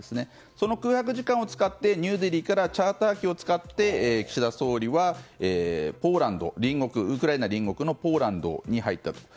その空白時間を使ってニューデリーからチャーター機を使って、岸田総理はウクライナ隣国のポーランドに入ったと。